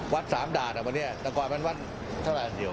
วัดสามดาลอ่ะวันนี้แต่ขวามันวัด